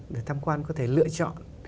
để tham quan có thể lựa chọn